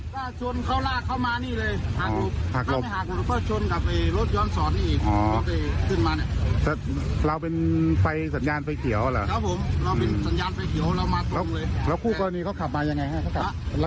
ด้วยความที่พอมันเป็นแยกแบบเฉียงเฉียงด้วยแหละ